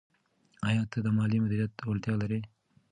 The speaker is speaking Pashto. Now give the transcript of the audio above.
آیا ته د مالي مدیریت وړتیا لرې؟